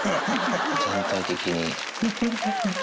全体的に。